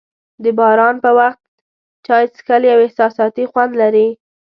د باران په وخت چای څښل یو احساساتي خوند لري.